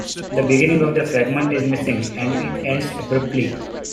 The beginning of the fragment is missing, and it ends abruptly.